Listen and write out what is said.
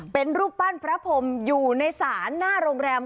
เป็นรูปปั้นอยู่ในหน้าโรงแรม